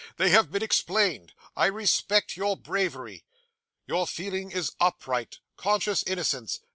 They have been explained. I respect your bravery. Your feeling is upright. Conscious innocence.